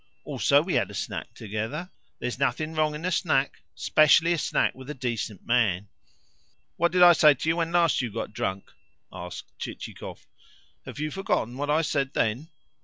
Also, we had a snack together. There is nothing wrong in a snack especially a snack with a decent man." "What did I say to you when last you got drunk?" asked Chichikov. "Have you forgotten what I said then?"